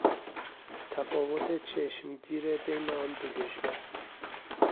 تفاوت چشمگیر بین آن دو کشور